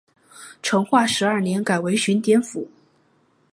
成化十二年改为寻甸府。